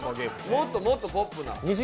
もっともっとポップな。